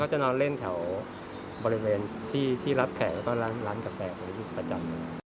เขาจะนอนเล่นแถวบริเวณที่รับแขกแล้วก็ร้านกาแฟประจำ